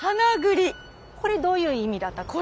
これどういう意味だった？